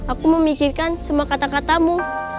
aku memikirkan semua kata katamu